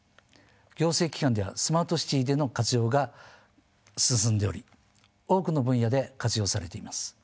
行政機関ではスマートシティでの活用が進んでおり多くの分野で活用されています。